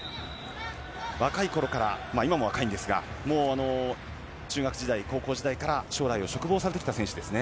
若い頃から、今も若いんですがもう中学時代、高校時代から将来を嘱望されてきた選手ですね。